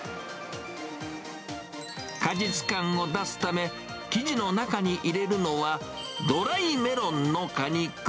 果実感を出すため、生地の中に入れるのは、ドライメロンの果肉。